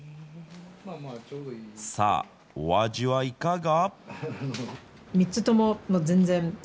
さあ、お味はいかが？